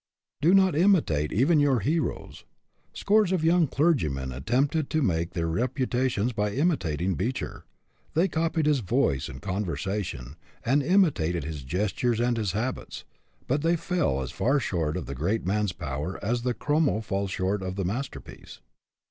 Do not imitate even your heroes. Scores of young clergymen attempted to make their reputations by imitating Beecher. They copied his voice and conversation, and imitated his gestures and his habits, but they fell as far short of the great man's power as the chromo falls short of the masterpiece.